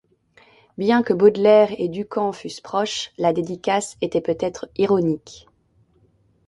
Bien que Baudelaire et Du Camp fussent proches, la dédicace était peut-être ironique.